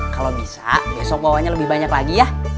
kalau bisa besok bawanya lebih banyak lagi ya